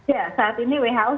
ya saat ini who